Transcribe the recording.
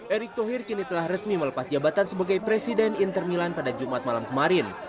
erick thohir kini telah resmi melepas jabatan sebagai presiden inter milan pada jumat malam kemarin